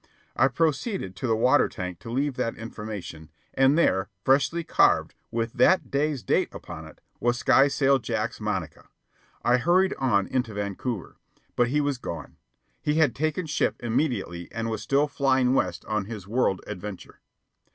I proceeded to the water tank to leave that information, and there, freshly carved, with that day's date upon it, was Skysail Jack's monica. I hurried on into Vancouver. But he was gone. He had taken ship immediately and was still flying west on his world adventure.